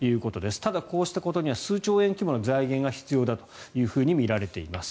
ただ、こうしたことには数兆円規模の財源が必要だとみられています。